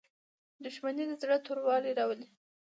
• دښمني د زړه توروالی راولي.